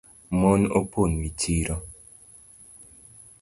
Mon opong’ e chiro